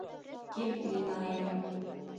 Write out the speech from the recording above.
... тип уйлайым